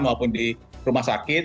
maupun di rumah sakit